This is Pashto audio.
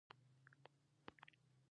انګلیسیانو د خواخوږی پیغام واورېد.